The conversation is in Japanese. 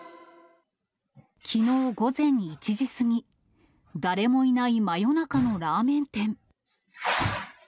きのう午前１時過ぎ、誰もいない真夜中のラーメン店。